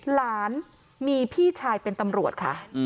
หลานมีพี่ชายเป็นตำรวจค่ะ